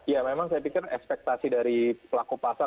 ya memang saya pikir ekspektasi dari pelaku pasar